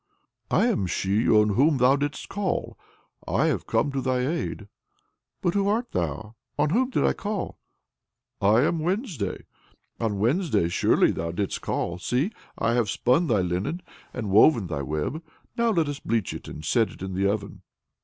"I am she on whom thou didst call. I have come to thy aid." "But who art thou? On whom did I call?" "I am Wednesday. On Wednesday surely thou didst call. See, I have spun thy linen and woven thy web: now let us bleach it and set it in the oven.